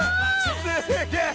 すげえ！